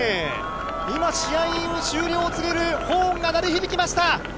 今、試合終了を告げるホーンが鳴り響きました。